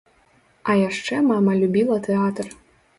А яшчэ мама любіла тэатр.